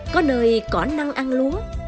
có nơi có năng ăn lúa